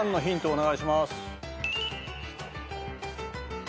お願いします。